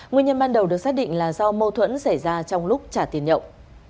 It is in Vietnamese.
nguyên nhân ban đầu được xác định là do mâu thuẫn xảy ra trong lúc trả tiền nhộng